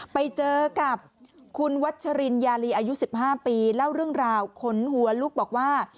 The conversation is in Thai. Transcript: ไปเจอกับคุณวัชรินยาลีอายุ๑๕ปีเล่าเรื่องราวขนหัวลุกบอกว่า